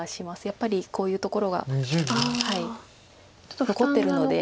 やっぱりこういうところが残ってるので。